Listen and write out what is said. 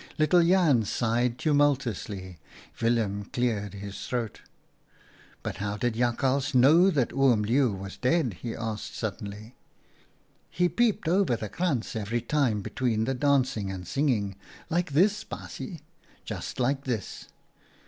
Little Jan sighed tumultuously. Willem cleared his throat. " But how did Jakhals know that Oom Leeuw was dead ?" he asked suddenly. "He peeped over the krantz every time between the dancing and singing — like this, baasje, just like this."